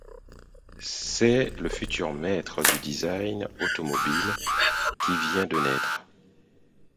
C'est le futur Maître du design automobile qui vient de naître.